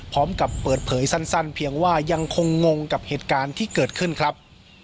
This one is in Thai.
พร้อมกับเปิดเผยสั้นเพียงว่ายังคงงงกับเหตุการณ์ที่เกิดขึ้นครับ